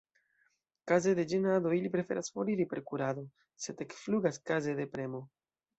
Kaze de ĝenado, ili preferas foriri per kurado sed ekflugas kaze de premo.